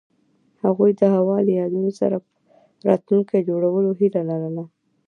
هغوی د هوا له یادونو سره راتلونکی جوړولو هیله لرله.